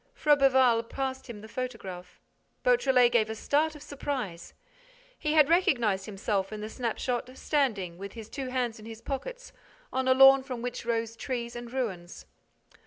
Froberval passed him the photograph. Beautrelet gave a start of surprise. He had recognized himself in the snapshot, standing, with his two hands in his pockets, on a lawn from which rose trees and ruins.